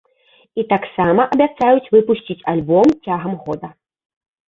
І таксама абяцаюць выпусціць альбом цягам года.